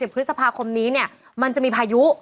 พฤษภาคมนี้มันจะมีพายุ